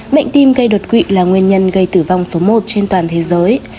bệnh tim gây đột quỵ là nguyên nhân gây tử vong số một trên toàn thế giới